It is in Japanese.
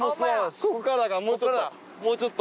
ここからがもうちょっと。